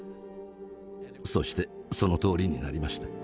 そしてそのとおりになりました。